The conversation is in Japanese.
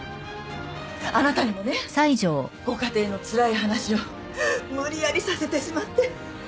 あなたにもねご家庭のつらい話を無理やりさせてしまって。